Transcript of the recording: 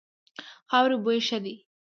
خاورې بوی ښه دی.